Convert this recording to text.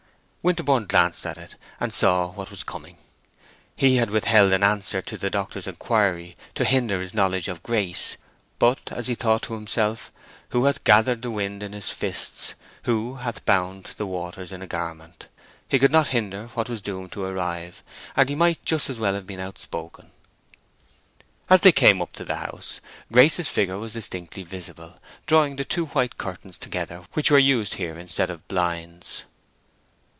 Winterborne glanced at it, and saw what was coming. He had withheld an answer to the doctor's inquiry to hinder his knowledge of Grace; but, as he thought to himself, "who hath gathered the wind in his fists? who hath bound the waters in a garment?" he could not hinder what was doomed to arrive, and might just as well have been outspoken. As they came up to the house, Grace's figure was distinctly visible, drawing the two white curtains together which were used here instead of blinds.